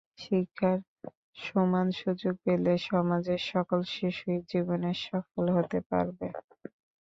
শিক্ষার সমান সুযোগ পেলে সমাজের সকল শিশুই জীবনে সফল হতে পারবে।